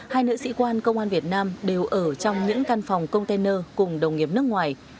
hai nữ sĩ quan công an việt nam đều ở trong những căn phòng container cùng đồng nghiệp nước ngoài